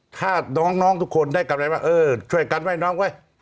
ถ้าน้องทุกคนได้กำไรว่าเออช่วยกันว่ายน้องไว้